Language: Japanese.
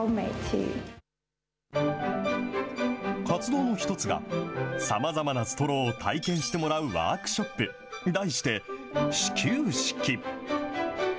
活動の一つが、さまざまなストローを体験してもらうワークショップ、題して、試吸式。